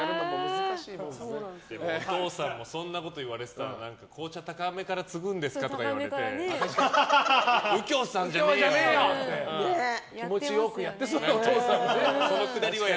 お父さんもそんなこと言われてたら紅茶、高めから注ぐんですか？とか言われて右京さんじゃねーよ！って気持ちよくやってそう。